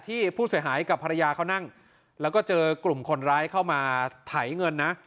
ที่ผู้เสียหายกับภรรยาเขานั่งแล้วก็เจอกลุ่มคนร้ายเข้ามาไถเงินนะ